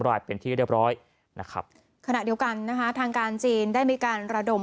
รายเป็นที่เรียบร้อยนะครับขณะเดียวกันนะคะทางการจีนได้มีการระดม